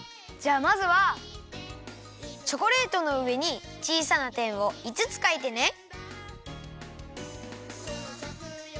じゃあまずはチョコレートのうえにちいさなてんをいつつかいてね。